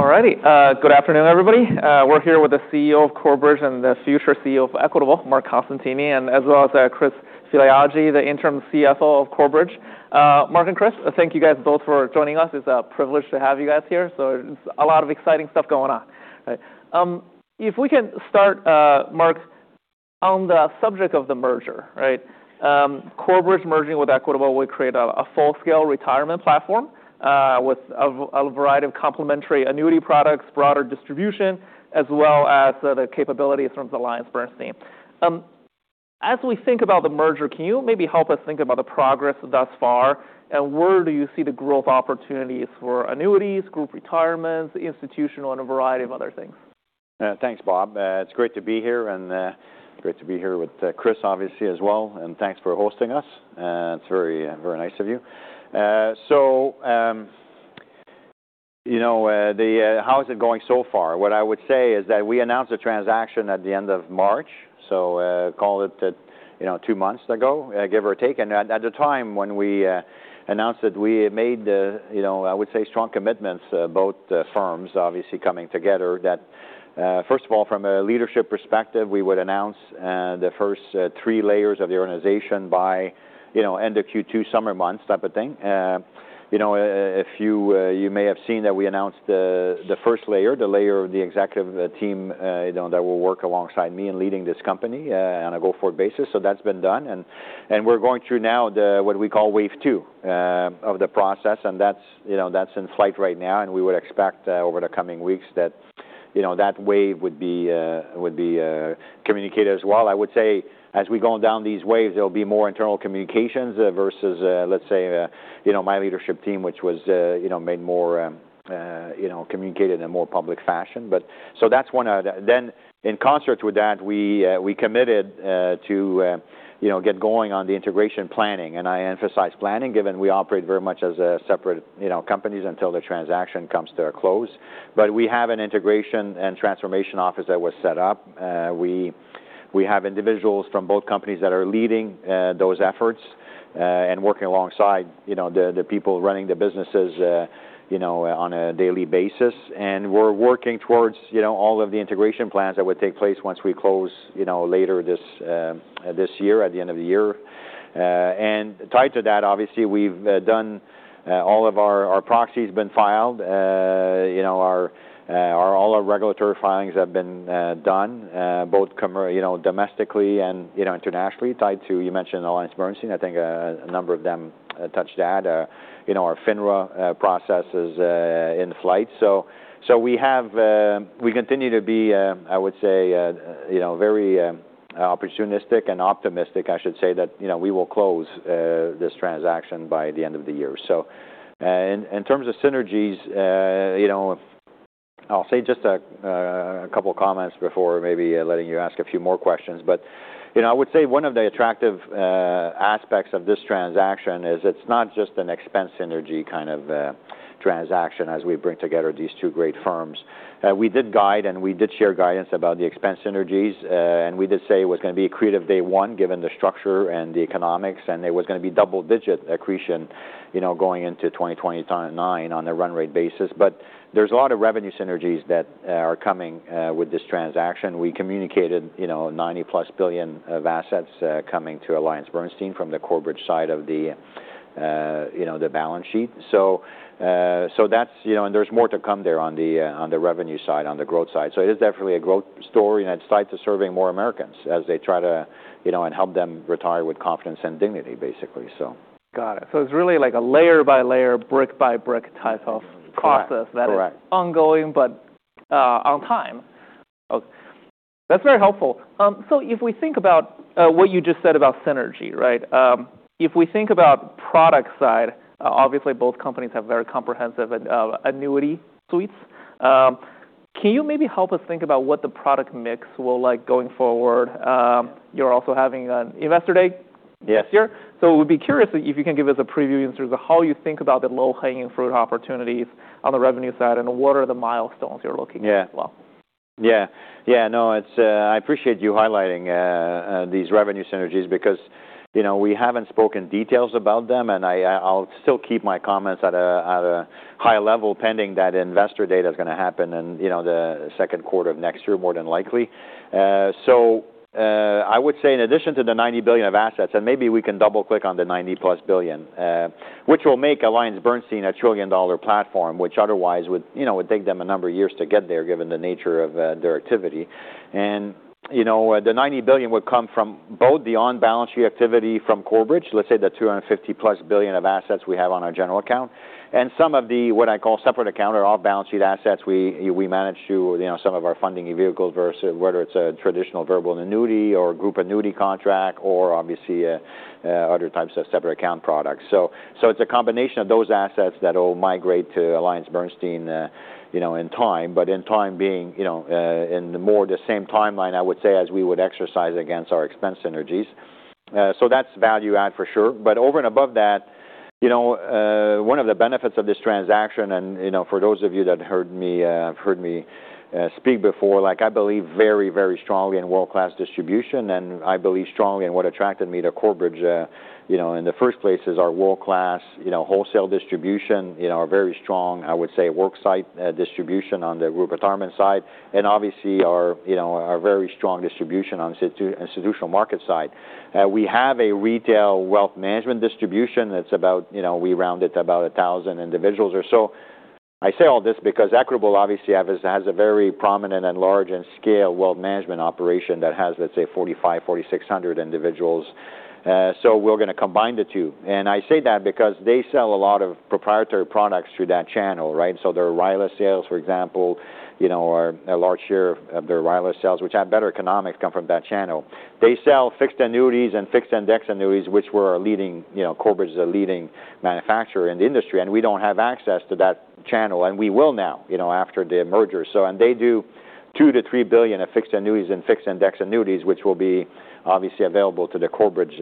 All righty. Good afternoon, everybody. We're here with the CEO of Corebridge and the future CEO of Equitable, Marc Costantini, and as well as Chris Filiaggi, the interim CFO of Corebridge. Marc and Chris, thank you guys both for joining us. It's a privilege to have you guys here. A lot of exciting stuff going on. If we can start, Marc, on the subject of the merger. Corebridge merging with Equitable would create a full-scale retirement platform with a variety of complementary annuity products, broader distribution, as well as the capabilities from the AllianceBernstein. As we think about the merger, can you maybe help us think about the progress thus far, and where do you see the growth opportunities for annuities, Group Retirement, Institutional Markets, and a variety of other things? Thanks, Bob. It's great to be here, and great to be here with Chris obviously as well, and thanks for hosting us. It's very nice of you. How is it going so far? What I would say is that we announced the transaction at the end of March, call it two months ago, give or take. At the time when we announced it, we made, I would say, strong commitments, both firms obviously coming together. That first of all, from a leadership perspective, we would announce the first three layers of the organization by end of Q2, summer months type of thing. You may have seen that we announced the first layer, the layer of the executive team that will work alongside me in leading this company on a go-forward basis. That's been done, we're going through now what we call wave two of the process, that's in flight right now, we would expect over the coming weeks that wave would be communicated as well. I would say as we're going down these waves, there'll be more internal communications versus, let's say, my leadership team, which was communicated in a more public fashion. In concert with that, we committed to get going on the integration planning, I emphasize planning, given we operate very much as separate companies until the transaction comes to a close. We have an integration and transformation office that was set up. We have individuals from both companies that are leading those efforts, working alongside the people running the businesses on a daily basis. We're working towards all of the integration plans that would take place once we close later this year, at the end of the year. Tied to that, obviously all of our proxy's been filed. All our regulatory filings have been done, both domestically and internationally tied to, you mentioned AllianceBernstein. I think a number of them touched that. Our FINRA process is in flight. We continue to be, I would say, very opportunistic and optimistic, I should say, that we will close this transaction by the end of the year. In terms of synergies, I'll say just a couple of comments before maybe letting you ask a few more questions. I would say one of the attractive aspects of this transaction is it's not just an expense synergy kind of transaction as we bring together these two great firms. We did guide, we did share guidance about the expense synergies. We did say it was going to be accretive day one given the structure and the economics, it was going to be double-digit accretion going into 2029 on a run-rate basis. There's a lot of revenue synergies that are coming with this transaction. We communicated $90+ billion of assets coming to AllianceBernstein from the Corebridge side of the balance sheet. There's more to come there on the revenue side, on the growth side. It is definitely a growth story, and it's tied to serving more Americans and help them retire with confidence and dignity, basically. Got it. It's really a layer-by-layer, brick-by-brick type of process that is ongoing, but on time. Okay. That's very helpful. If we think about what you just said about synergy, if we think about product side, obviously both companies have very comprehensive annuity suites. Can you maybe help us think about what the product mix will like going forward? You're also having an Investor Day this year. It would be curious if you can give us a preview in terms of how you think about the low-hanging fruit opportunities on the revenue side, and what are the milestones you're looking at as well? Yeah. No, I appreciate you highlighting these revenue synergies because we haven't spoken details about them, and I'll still keep my comments at a high level pending that Investor Day that's going to happen in the second quarter of next year, more than likely. I would say in addition to the $90 billion of assets, and maybe we can double-click on the $90+ billion. Which will make AllianceBernstein a trillion-dollar platform, which otherwise would take them a number of years to get there given the nature of their activity. The $90 billion would come from both the on-balance sheet activity from Corebridge, let's say the $250+ billion of assets we have on our general account. Some of the what I call separate account are off-balance sheet assets we manage to some of our funding vehicles, whether it's a traditional variable annuity or group annuity contract or obviously other types of separate account products. It's a combination of those assets that will migrate to AllianceBernstein in time, but in time being in more the same timeline, I would say, as we would exercise against our expense synergies. That's value add for sure. Over and above that, one of the benefits of this transaction, and for those of you that have heard me speak before, I believe very strongly in world-class distribution, and I believe strongly in what attracted me to Corebridge in the first place is our world-class wholesale distribution, our very strong, I would say, work site distribution on the Group Retirement side, and obviously our very strong distribution on Institutional Markets side. We have a retail wealth management distribution that's about, we round it to about 1,000 individuals or so. I say all this because Equitable obviously has a very prominent and large and scale wealth management operation that has, let's say, 4,500, 4,600 individuals. We're going to combine the two. I say that because they sell a lot of proprietary products through that channel. Their RILA sales, for example, or a large share of their RILA sales, which have better economics, come from that channel. They sell fixed annuities and fixed index annuities, which Corebridge is a leading manufacturer in the industry, and we don't have access to that channel, and we will now after the merger. They do $2 billion to $3 billion of fixed annuities and fixed index annuities, which will be obviously available to the Corebridge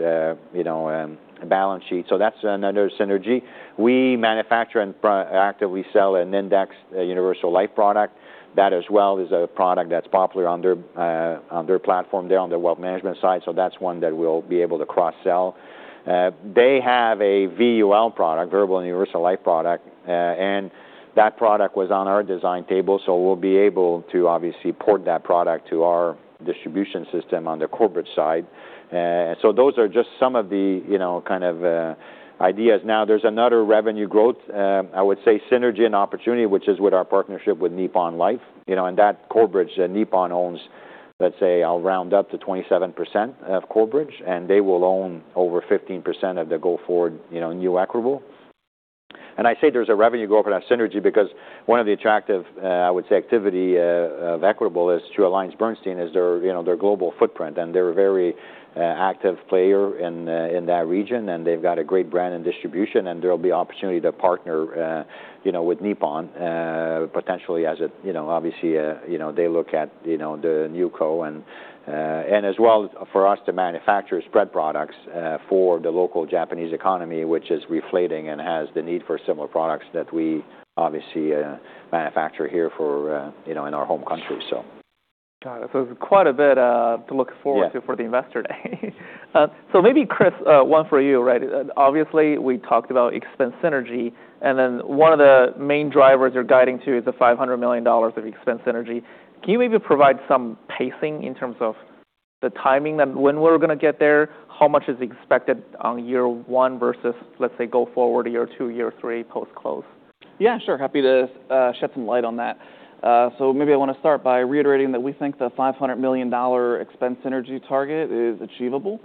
balance sheet. That's another synergy. We manufacture and actively sell an index, a Universal Life product. That as well is a product that's popular on their platform there on their wealth management side. That's one that we'll be able to cross-sell. They have a VUL product, variable universal life product, and that product was on our design table, so we'll be able to obviously port that product to our distribution system on the corporate side. Those are just some of the kind of ideas. There's another revenue growth, I would say synergy and opportunity, which is with our partnership with Nippon Life. That Corebridge, Nippon owns, let's say, I'll round up to 27% of Corebridge, and they will own over 15% of the go-forward new Equitable. I say there's a revenue growth and a synergy because one of the attractive, I would say, activity of Equitable is through AllianceBernstein is their global footprint, and they're a very active player in that region, and they've got a great brand and distribution, and there'll be opportunity to partner with Nippon, potentially as obviously they look at the NewCo. As well for us to manufacture spread products for the local Japanese economy, which is reflating and has the need for similar products that we obviously manufacture here in our home country. Got it. Quite a bit to look forward to for the Investor Day. Maybe Chris, one for you. Obviously, we talked about expense synergy, and then one of the main drivers you're guiding to is the $500 million of expense synergy. Can you maybe provide some pacing in terms of the timing, when we're going to get there, how much is expected on year one versus, let's say, go forward to year two, year three post-close? Yeah, sure. Happy to shed some light on that. Maybe I want to start by reiterating that we think the $500 million expense synergy target is achievable.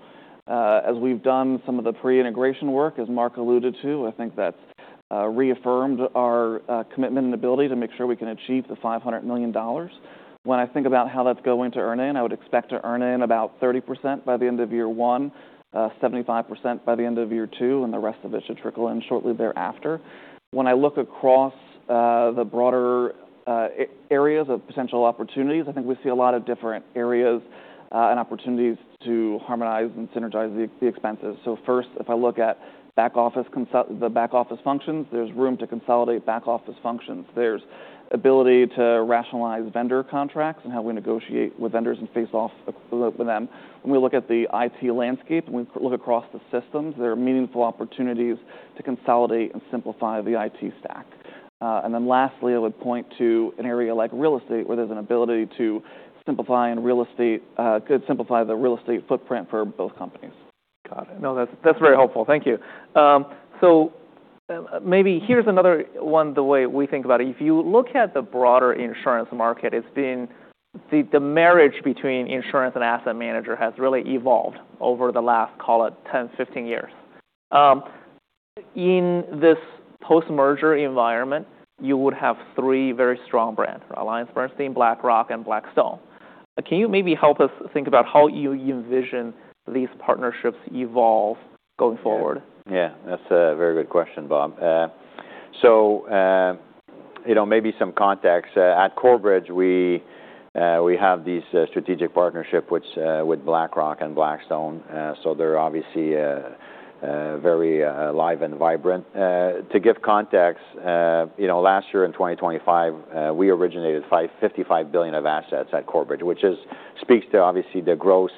As we've done some of the pre-integration work, as Marc alluded to, I think that's reaffirmed our commitment and ability to make sure we can achieve the $500 million. When I think about how that's going to earn in, I would expect to earn in about 30% by the end of year one, 75% by the end of year two, and the rest of it should trickle in shortly thereafter. When I look across the broader areas of potential opportunities, I think we see a lot of different areas and opportunities to harmonize and synergize the expenses. First, if I look at the back office functions, there's room to consolidate back office functions. There's ability to rationalize vendor contracts and how we negotiate with vendors and face off with them. When we look at the IT landscape and we look across the systems, there are meaningful opportunities to consolidate and simplify the IT stack. Lastly, I would point to an area like real estate, where there's an ability to simplify the real estate footprint for both companies. Got it. That's very helpful. Thank you. Maybe here's another one, the way we think about it. If you look at the broader insurance market, the marriage between insurance and asset manager has really evolved over the last, call it 10, 15 years. In this post-merger environment, you would have three very strong brands, AllianceBernstein, BlackRock, and Blackstone. Can you maybe help us think about how you envision these partnerships evolve going forward? Yeah. That's a very good question, Bob. Maybe some context. At Corebridge, we have these strategic partnership with BlackRock and Blackstone, they're obviously very alive and vibrant. To give context, last year in 2025, we originated $55 billion of assets at Corebridge, which speaks to obviously the gross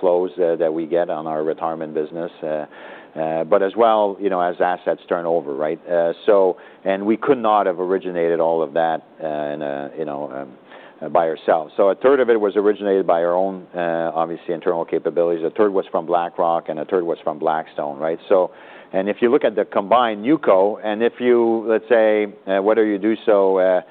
flows that we get on our retirement business. As well, as assets turn over. We could not have originated all of that by ourselves. A third of it was originated by our own obviously internal capabilities, a third was from BlackRock, and a third was from Blackstone. If you look at the combined NewCo, and if you, let's say, whether you do so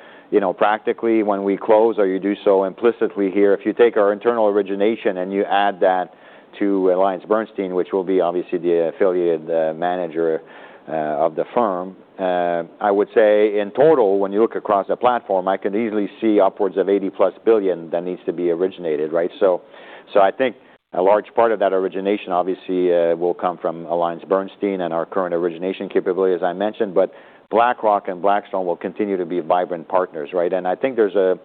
practically when we close or you do so implicitly here, if you take our internal origination and you add that to AllianceBernstein, which will be obviously the affiliated manager of the firm, I would say in total, when you look across the platform, I could easily see upwards of $80+ billion that needs to be originated. I think a large part of that origination obviously will come from AllianceBernstein and our current origination capability, as I mentioned, but BlackRock and Blackstone will continue to be vibrant partners. I think there's a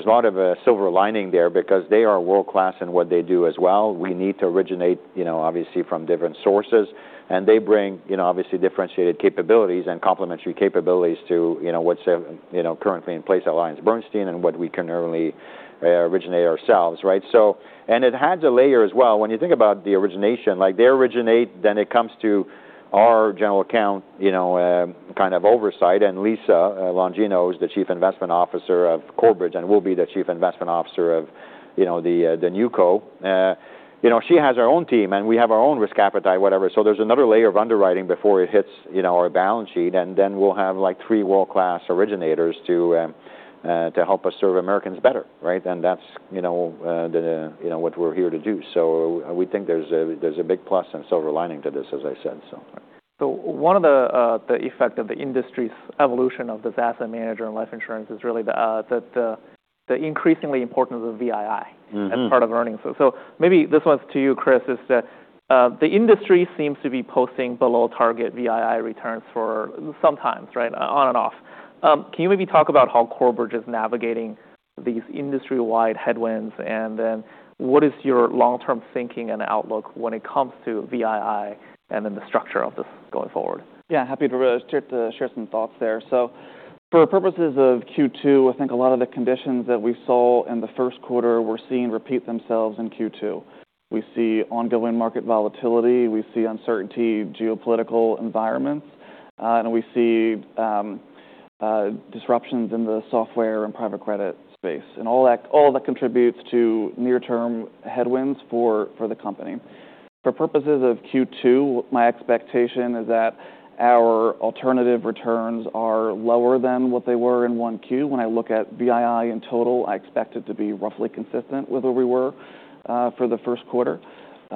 lot of silver lining there because they are world-class in what they do as well. We need to originate obviously from different sources, and they bring obviously differentiated capabilities and complementary capabilities to what's currently in place at AllianceBernstein and what we can only originate ourselves. It adds a layer as well. When you think about the origination, like they originate, then it comes to our general account kind of oversight. Lisa Longino, who's the Chief Investment Officer of Corebridge and will be the Chief Investment Officer of the NewCo, she has her own team, and we have our own risk appetite, whatever. There's another layer of underwriting before it hits our balance sheet, and then we'll have three world-class originators to help us serve Americans better. That's what we're here to do. We think there's a big plus and silver lining to this, as I said. One of the effect of the industry's evolution of this asset manager and life insurance is really the increasingly importance of VII as part of earnings. Maybe this one's to you, Chris, is that the industry seems to be posting below target VII returns for sometimes on and off. Can you maybe talk about how Corebridge is navigating these industry-wide headwinds, and then what is your long-term thinking and outlook when it comes to VII and then the structure of this going forward? Happy to share some thoughts there. For purposes of Q2, I think a lot of the conditions that we saw in the first quarter were seen repeat themselves in Q2. We see ongoing market volatility, we see uncertain geopolitical environments, we see disruptions in the SOFR and private credit space. All that contributes to near-term headwinds for the company. For purposes of Q2, my expectation is that our alternative returns are lower than what they were in 1Q. When I look at VII in total, I expect it to be roughly consistent with where we were for the first quarter.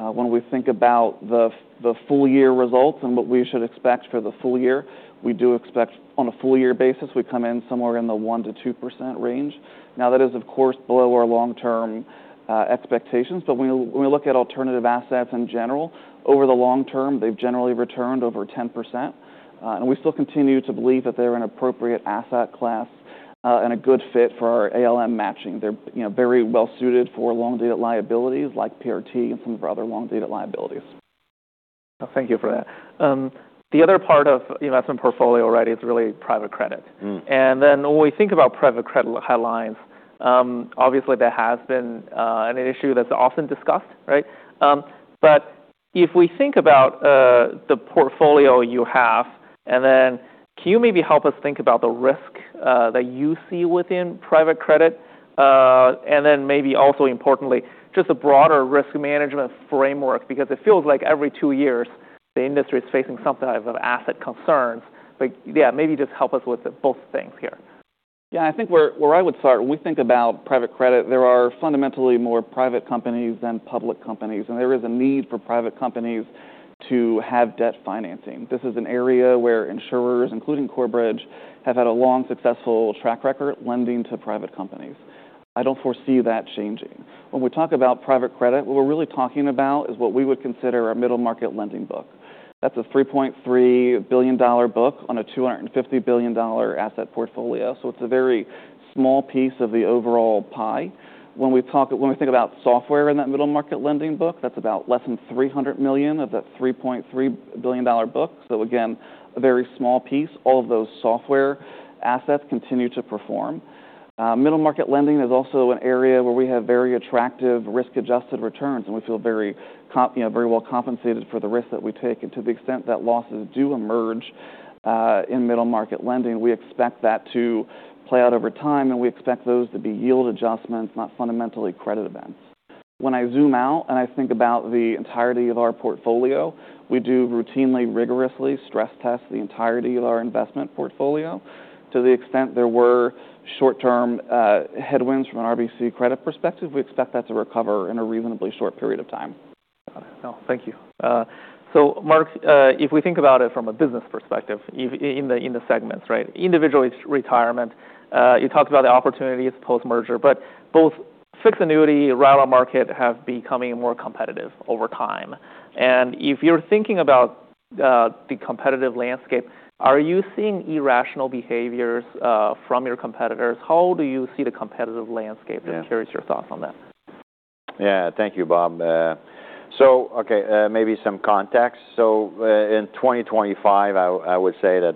When we think about the full year results and what we should expect for the full year, we do expect on a full year basis, we come in somewhere in the 1%-2% range. That is of course below our long-term expectations, when we look at alternative assets in general, over the long term, they've generally returned over 10%. We still continue to believe that they're an appropriate asset class and a good fit for our ALM matching. They're very well-suited for long-dated liabilities like PRT and some of our other long-dated liabilities. Thank you for that. The other part of investment portfolio is really private credit. When we think about private credit headlines, obviously that has been an issue that's often discussed. If we think about the portfolio you have, can you maybe help us think about the risk that you see within private credit? Maybe also importantly, just a broader risk management framework, because it feels like every two years the industry's facing some type of asset concerns. Yeah, maybe just help us with both things here. I think where I would start, when we think about private credit, there are fundamentally more private companies than public companies, and there is a need for private companies to have debt financing. This is an area where insurers, including Corebridge, have had a long, successful track record lending to private companies. I don't foresee that changing. When we talk about private credit, what we're really talking about is what we would consider a middle market lending book. That's a $3.3 billion book on a $250 billion asset portfolio. It's a very small piece of the overall pie. When we think about SOFR in that middle market lending book, that's about less than $300 million of that $3.3 billion book. Again, a very small piece. All of those SOFR assets continue to perform. Middle market lending is also an area where we have very attractive risk-adjusted returns, and we feel very well compensated for the risk that we take. To the extent that losses do emerge in middle market lending, we expect that to play out over time, and we expect those to be yield adjustments, not fundamentally credit events. When I zoom out and I think about the entirety of our portfolio, we do routinely rigorously stress test the entirety of our investment portfolio. To the extent there were short-term headwinds from an RBC credit perspective, we expect that to recover in a reasonably short period of time. Got it. No, thank you. Marc, if we think about it from a business perspective, in the segments, Individual Retirement, you talked about the opportunities post-merger, but both fixed annuity, run on market have becoming more competitive over time. If you're thinking about the competitive landscape, are you seeing irrational behaviors from your competitors? How do you see the competitive landscape? Yeah. I'm curious your thoughts on that. Thank you, Bob. Okay, maybe some context. In 2025, I would say that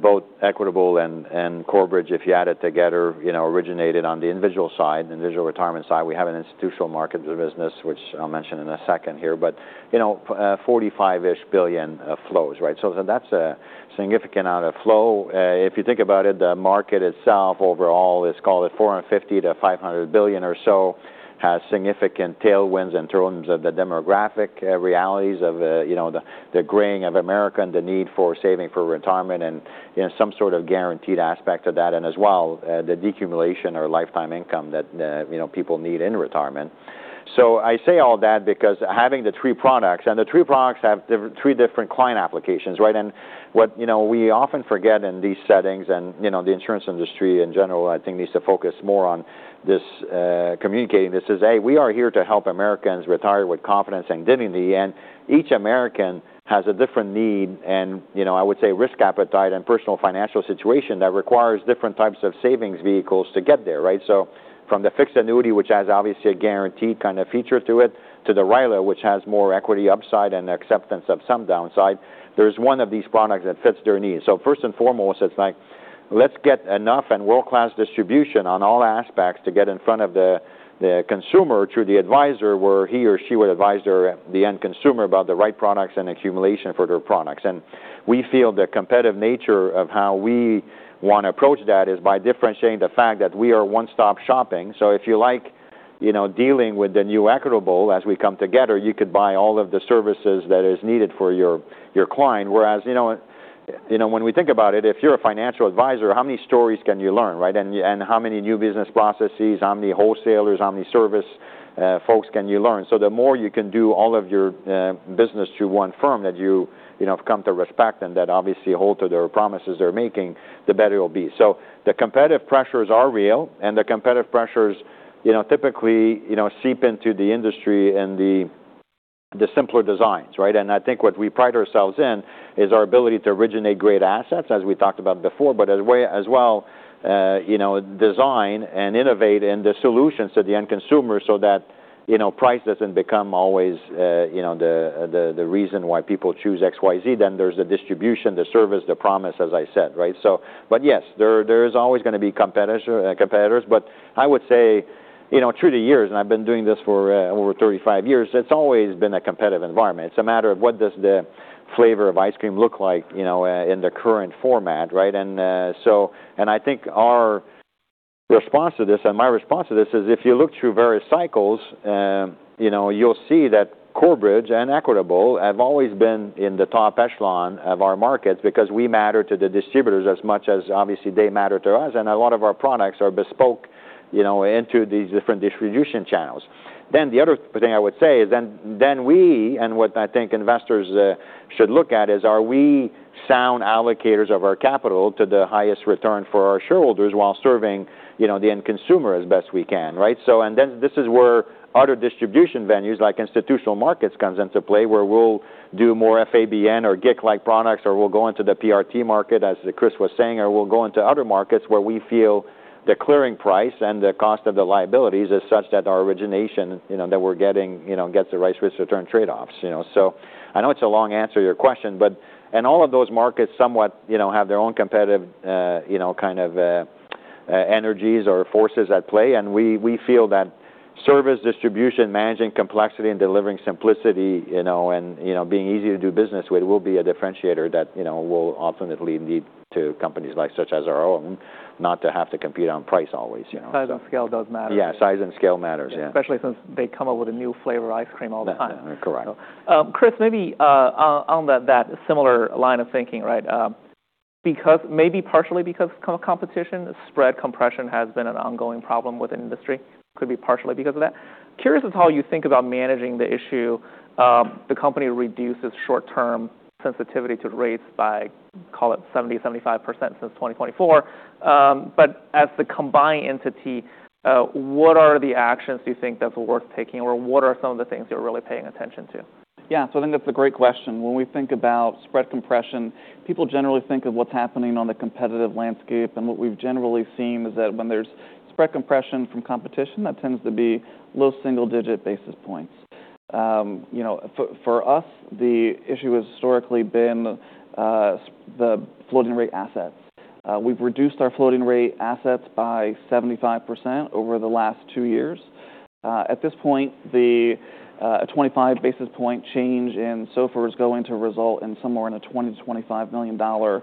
both Equitable and Corebridge, if you add it together, originated on the individual side, Individual Retirement side. We have an Institutional Markets business, which I'll mention in a second here, but $45-ish billion of flows. That's a significant amount of flow. If you think about it, the market itself overall is, call it $450 billion-$500 billion or so, has significant tailwinds in terms of the demographic realities of the graying of America and the need for saving for retirement and some sort of guaranteed aspect of that, and as well, the decumulation or lifetime income that people need in retirement. I say all that because having the three products, the three products have three different client applications. What we often forget in these settings, and the insurance industry in general, I think, needs to focus more on communicating this is, hey, we are here to help Americans retire with confidence and dignity, and each American has a different need, and I would say risk appetite and personal financial situation that requires different types of savings vehicles to get there. From the fixed annuity, which has obviously a guaranteed kind of feature to it, to the RILA, which has more equity upside and acceptance of some downside, there's one of these products that fits their needs. First and foremost, it's like, let's get enough and world-class distribution on all aspects to get in front of the consumer through the advisor, where he or she would advise the end consumer about the right products and accumulation for their products. We feel the competitive nature of how we want to approach that is by differentiating the fact that we are one-stop shopping. If you like dealing with the new Equitable as we come together, you could buy all of the services that is needed for your client. Whereas when we think about it, if you're a financial advisor, how many stories can you learn? How many new business processes, how many wholesalers, how many service folks can you learn? The more you can do all of your business through one firm that you've come to respect and that obviously hold to their promises they're making, the better it will be. The competitive pressures are real, and the competitive pressures typically seep into the industry and the simpler designs. I think what we pride ourselves in is our ability to originate great assets, as we talked about before, but as well design and innovate in the solutions to the end consumer so that price doesn't become always the reason why people choose XYZ. There's the distribution, the service, the promise, as I said. Yes, there's always going to be competitors. I would say through the years, and I've been doing this for over 35 years, it's always been a competitive environment. It's a matter of what does the flavor of ice cream look like in the current format. I think our response to this, and my response to this is, if you look through various cycles you'll see that Corebridge and Equitable have always been in the top echelon of our markets because we matter to the distributors as much as obviously they matter to us. A lot of our products are bespoke into these different distribution channels. The other thing I would say is then we, and what I think investors should look at is, are we sound allocators of our capital to the highest return for our shareholders while serving the end consumer as best we can. This is where other distribution venues like Institutional Markets comes into play, where we'll do more FABN or GIC-like products, or we'll go into the PRT market, as Chris Filiaggi was saying, or we'll go into other markets where we feel the clearing price and the cost of the liabilities is such that our origination that we're getting gets the right risk return trade-offs. I know it's a long answer to your question, and all of those markets somewhat have their own competitive kind of energies or forces at play, and we feel that service distribution, managing complexity and delivering simplicity, and being easy to do business with will be a differentiator that will ultimately lead to companies such as our own not to have to compete on price always. Size and scale does matter. Yeah, size and scale matters, yeah. Especially since they come up with a new flavor ice cream all the time. Correct. Chris, maybe on that similar line of thinking. Maybe partially because competition spread compression has been an ongoing problem within the industry, could be partially because of that. Curious as how you think about managing the issue. The company reduces short-term sensitivity to rates by, call it 70%, 75% since 2024. As the combined entity, what are the actions do you think that are worth taking, or what are some of the things you're really paying attention to? Yeah. I think that's a great question. When we think about spread compression, people generally think of what's happening on the competitive landscape, and what we've generally seen is that when there's spread compression from competition, that tends to be low single-digit basis points. For us, the issue has historically been the floating rate assets. We've reduced our floating rate assets by 75% over the last two years. At this point, the 25 basis point change in SOFR is going to result in somewhere in a $20 million-$25 million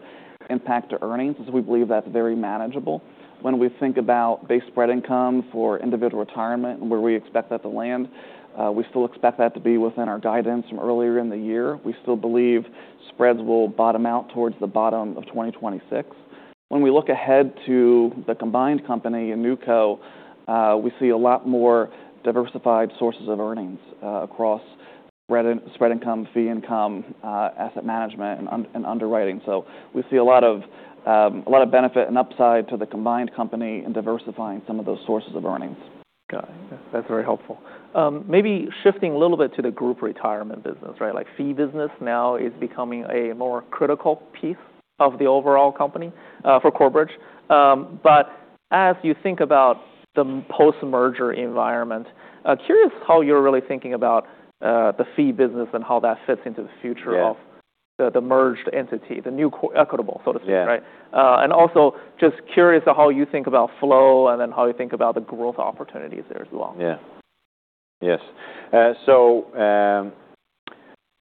impact to earnings, as we believe that's very manageable. When we think about base spread income for Individual Retirement and where we expect that to land, we still expect that to be within our guidance from earlier in the year. We still believe spreads will bottom out towards the bottom of 2026. When we look ahead to the combined company in NewCo, we see a lot more diversified sources of earnings across spread income, fee income, asset management, and underwriting. We see a lot of benefit and upside to the combined company in diversifying some of those sources of earnings. Got it. That's very helpful. Shifting a little bit to the Group Retirement business. Fee business now is becoming a more critical piece of the overall company for Corebridge. As you think about the post-merger environment, curious how you're really thinking about the fee business and how that fits into the future of the merged entity, the new Equitable, so to speak. Also, just curious how you think about flow and then how you think about the growth opportunities there as well. Yes.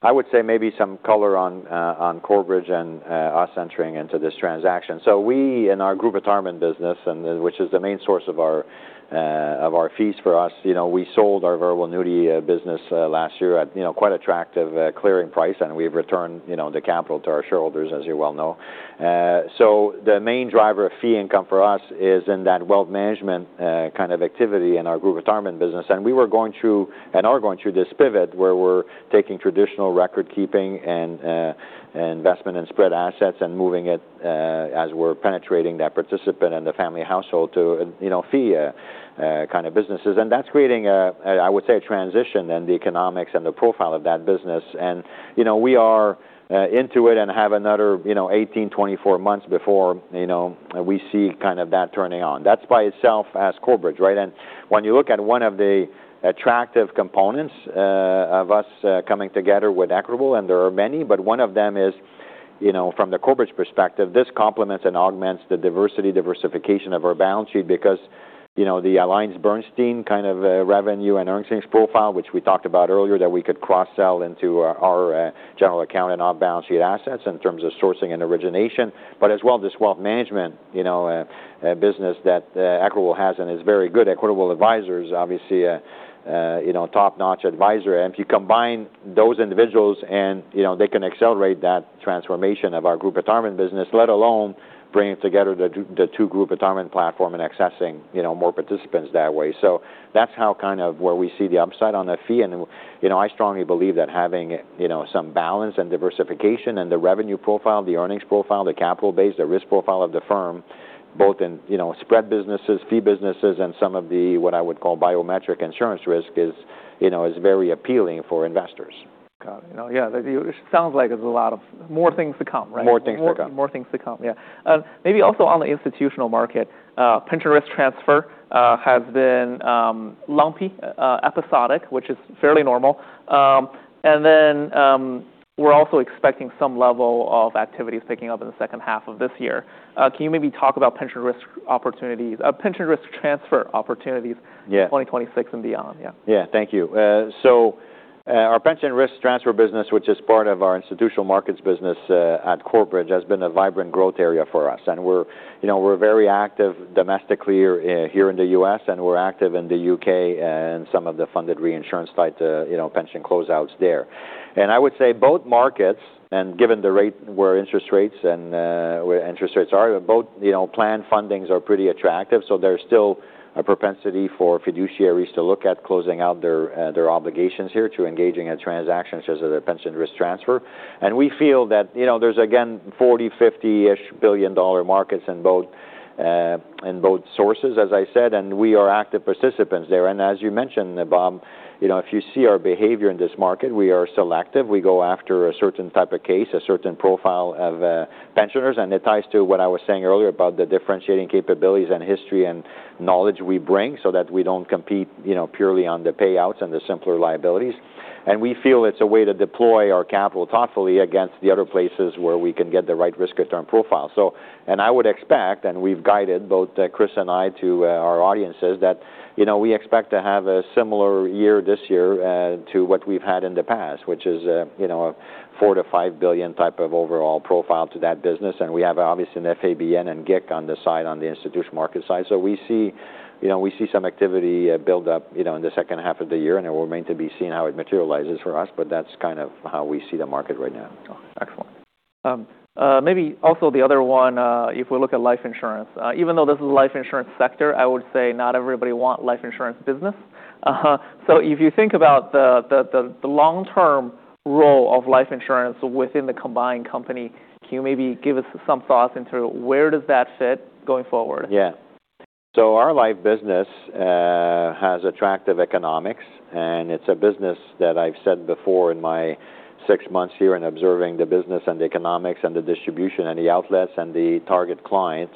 I would say maybe some color on Corebridge and us entering into this transaction. We, in our Group Retirement business, which is the main source of our fees for us, we sold our variable annuity business last year at quite attractive clearing price, and we've returned the capital to our shareholders, as you well know. The main driver of fee income for us is in that wealth management kind of activity in our Group Retirement business. We were going through, and are going through this pivot where we're taking traditional record keeping and investment in spread assets and moving it as we're penetrating that participant and the family household to fee kind of businesses. That's creating, I would say, a transition in the economics and the profile of that business. We are into it and have another 18, 24 months before we see that turning on. That is by itself as Corebridge. When you look at one of the attractive components of us coming together with Equitable, and there are many, but one of them is from the Corebridge perspective, this complements and augments the diversity, diversification of our balance sheet because the AllianceBernstein kind of revenue and earnings profile, which we talked about earlier, that we could cross-sell into our general account and off-balance sheet assets in terms of sourcing and origination. As well, this wealth management business that Equitable has and is very good. Equitable Advisors, obviously a top-notch advisor. If you combine those individuals and they can accelerate that transformation of our Group Retirement business, let alone bringing together the two Group Retirement platform and accessing more participants that way. That is how where we see the upside on that fee, and I strongly believe that having some balance and diversification in the revenue profile, the earnings profile, the capital base, the risk profile of the firm, both in spread businesses, fee businesses, and some of the, what I would call biometric insurance risk is very appealing for investors. Got it. It sounds like there is a lot of more things to come, right? More things to come. More things to come, yeah. Maybe also on the Institutional Markets Pension Risk Transfer has been lumpy, episodic, which is fairly normal. We're also expecting some level of activities picking up in the second half of this year. Can you maybe talk about Pension Risk Transfer opportunities 2026 and beyond? Yeah. Yeah. Thank you. Our Pension Risk Transfer business, which is part of our Institutional Markets business at Corebridge, has been a vibrant growth area for us. We're very active domestically here in the U.S., and we're active in the U.K. and some of the Funded Reinsurance type pension closeouts there. I would say both markets, and given where interest rates are, both plan fundings are pretty attractive. There's still a propensity for fiduciaries to look at closing out their obligations here to engaging in transactions such as a Pension Risk Transfer. We feel that there's, again, $40 billion, $50 billion-ish markets in both sources, as I said, and we are active participants there. As you mentioned, Bob, if you see our behavior in this market, we are selective. We go after a certain type of case, a certain profile of pensioners, and it ties to what I was saying earlier about the differentiating capabilities and history and knowledge we bring so that we don't compete purely on the payouts and the simpler liabilities. We feel it's a way to deploy our capital thoughtfully against the other places where we can get the right risk return profile. I would expect, and we've guided both Chris and I to our audiences that we expect to have a similar year this year to what we've had in the past, which is a $4 billion-$5 billion type of overall profile to that business. We have obviously an FABN and GIC on this side, on the Institutional Markets side. We see some activity build up in the second half of the year, and it will remain to be seen how it materializes for us, but that's kind of how we see the market right now. Oh, excellent. Maybe also the other one if we look at life insurance even though this is life insurance sector, I would say not everybody want life insurance business. If you think about the long-term role of life insurance within the combined company, can you maybe give us some thoughts into where does that fit going forward? Yeah. Our life business has attractive economics, and it's a business that I've said before in my six months here in observing the business and the economics and the distribution and the outlets and the target client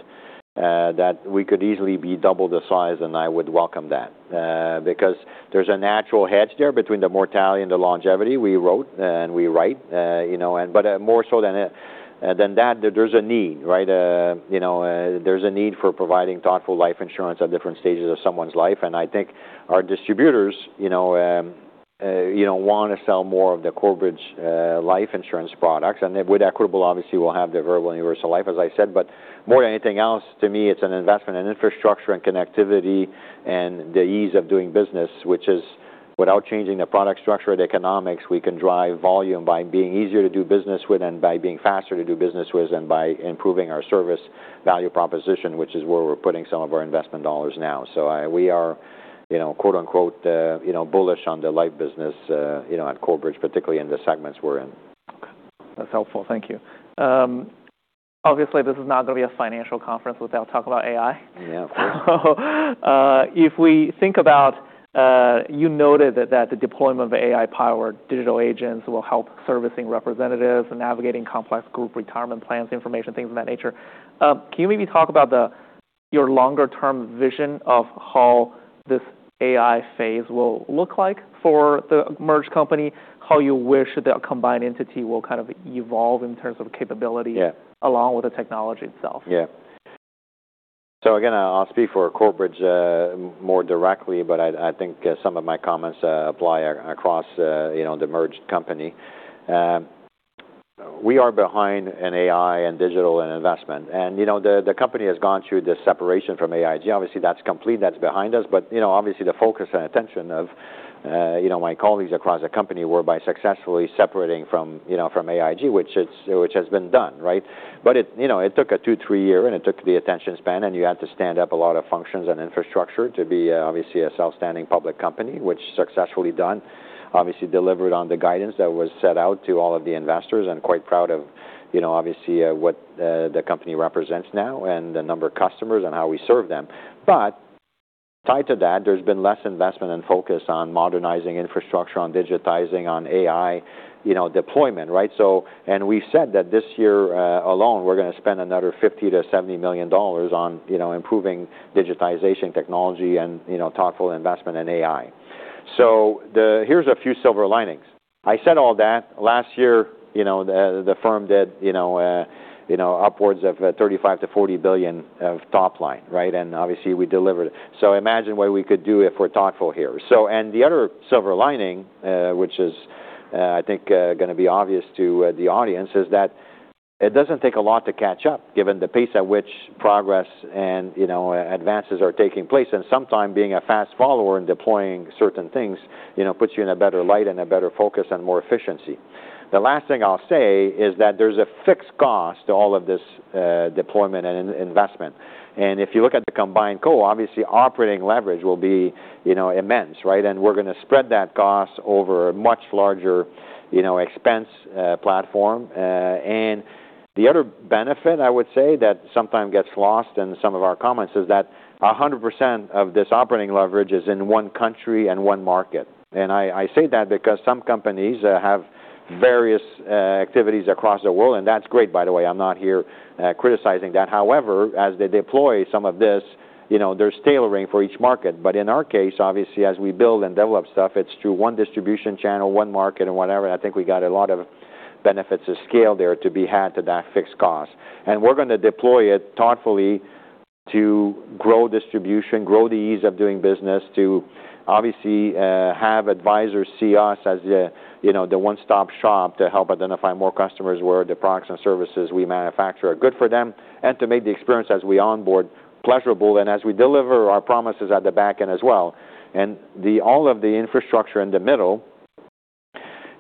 that we could easily be double the size and I would welcome that because there's a natural hedge there between the mortality and the longevity we wrote and we write but more so than that, there's a need. There's a need for providing thoughtful life insurance at different stages of someone's life, and I think our distributors want to sell more of the Corebridge life insurance products. With Equitable, obviously, we'll have the variable universal life, as I said. More than anything else, to me, it's an investment in infrastructure and connectivity and the ease of doing business, which is without changing the product structure, the economics, we can drive volume by being easier to do business with and by being faster to do business with than by improving our service value proposition, which is where we're putting some of our investment dollars now. We are "bullish on the life business" at Corebridge, particularly in the segments we're in. Okay. That's helpful. Thank you. Obviously, this is not going to be a financial conference without talk about AI. Yeah, of course. If we think about you noted that the deployment of AI-powered digital agents will help servicing representatives and navigating complex Group Retirement plans, information, things of that nature. Can you maybe talk about your longer-term vision of how this AI phase will look like for the merged company, how you wish the combined entity will kind of evolve in terms of capability along with the technology itself? Yeah. Again, I'll speak for Corebridge more directly, but I think some of my comments apply across the merged company. We are behind in AI and digital and investment. The company has gone through this separation from AIG. Obviously, that's complete, that's behind us. Obviously, the focus and attention of my colleagues across the company were by successfully separating from AIG, which has been done. It took a two, three year, and it took the attention span, and you had to stand up a lot of functions and infrastructure to be, obviously, a self-standing public company, which successfully done. Obviously delivered on the guidance that was set out to all of the investors, quite proud of obviously what the company represents now and the number of customers and how we serve them. Tied to that, there's been less investment and focus on modernizing infrastructure, on digitizing, on AI deployment. We said that this year alone, we're going to spend another $50 million to $70 million on improving digitization technology and thoughtful investment in AI. Here's a few silver linings. I said all that. Last year, the firm did upwards of $35 billion to $40 billion of top line. Obviously, we delivered. Imagine what we could do if we're thoughtful here. The other silver lining, which is, I think, going to be obvious to the audience, is that it doesn't take a lot to catch up given the pace at which progress and advances are taking place. Sometime being a fast follower and deploying certain things puts you in a better light and a better focus and more efficiency. The last thing I'll say is that there's a fixed cost to all of this deployment and investment. If you look at the combined co, obviously operating leverage will be immense. We're going to spread that cost over a much larger expense platform. The other benefit, I would say, that sometime gets lost in some of our comments is that 100% of this operating leverage is in one country and one market. I say that because some companies have various activities across the world, and that's great, by the way. I'm not here criticizing that. However, as they deploy some of this, there's tailoring for each market. In our case, obviously, as we build and develop stuff, it's through one distribution channel, one market and whatever. I think we got a lot of benefits of scale there to be had to that fixed cost. We're going to deploy it thoughtfully to grow distribution, grow the ease of doing business, to obviously have advisors see us as the one-stop-shop to help identify more customers where the products and services we manufacture are good for them, and to make the experience as we onboard pleasurable and as we deliver our promises at the back end as well. All of the infrastructure in the middle,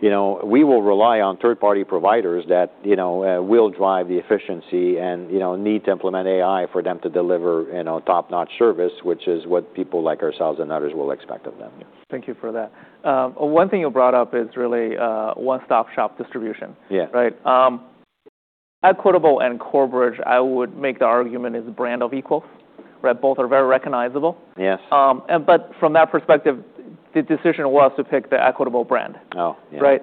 we will rely on third-party providers that will drive the efficiency and need to implement AI for them to deliver top-notch service, which is what people like ourselves and others will expect of them. Thank you for that. One thing you brought up is really one-stop-shop distribution. Yeah. Right. Equitable and Corebridge, I would make the argument, is brand of equal. Both are very recognizable. Yes. From that perspective, the decision was to pick the Equitable brand. Oh, yeah. Right.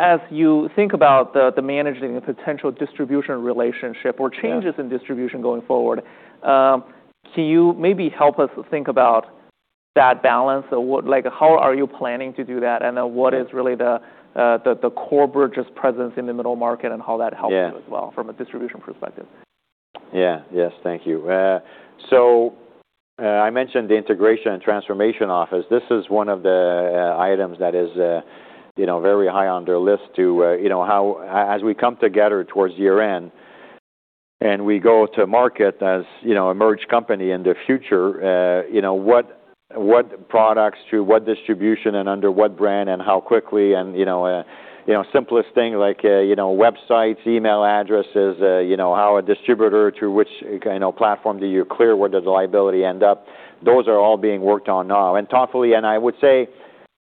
As you think about managing the potential distribution relationship or changes in distribution going forward, can you maybe help us think about that balance of how are you planning to do that, and what is really Corebridge's presence in the middle market and how that helps you as well from a distribution perspective? Yeah. Yes. Thank you. I mentioned the integration and transformation office. This is one of the items that is very high on their list to, as we come together towards year-end and we go to market as a merged company in the future, what products to what distribution and under what brand and how quickly and simplest thing like websites, email addresses, how a distributor, through which platform do you clear? Where does the liability end up? Those are all being worked on now. Thoughtfully, and I would say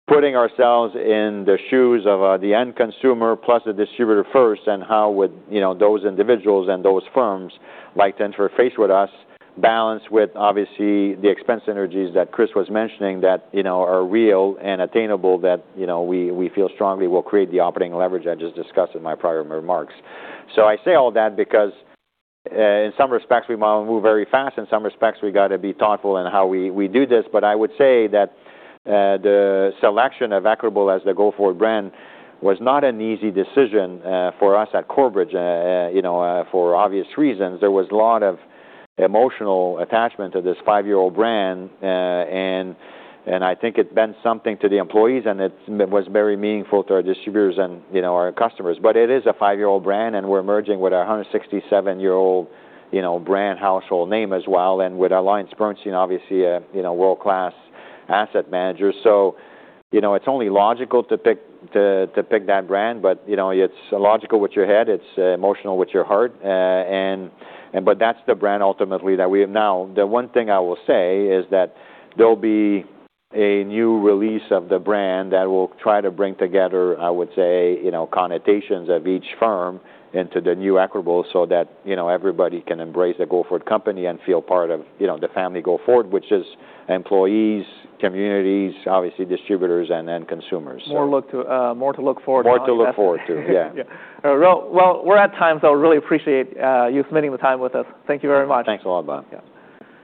putting ourselves in the shoes of the end consumer plus the distributor first and how would those individuals and those firms like to interface with us, balanced with, obviously, the expense synergies that Chris was mentioning that are real and attainable that we feel strongly will create the operating leverage I just discussed in my prior remarks. I say all that because, in some respects, we want to move very fast, in some respects, we got to be thoughtful in how we do this. I would say that the selection of Equitable as the go-forward brand was not an easy decision for us at Corebridge, for obvious reasons. There was a lot of emotional attachment to this five-year-old brand, and I think it meant something to the employees, and it was very meaningful to our distributors and our customers. It is a five-year-old brand, and we're merging with 167-year-old brand household name as well, and with AllianceBernstein, obviously a world-class asset manager. It's only logical to pick that brand, but it's logical with your head, it's emotional with your heart. That's the brand ultimately that we have now. The one thing I will say is that there'll be a new release of the brand that will try to bring together, I would say, connotations of each firm into the new Equitable so that everybody can embrace the go-forward company and feel part of the family go forward, which is employees, communities, obviously distributors, and end consumers. More to look forward now. More to look forward to. Yeah. Yeah. Well, we're at time. Really appreciate you spending the time with us. Thank you very much. Thanks a lot, Bob. Yeah.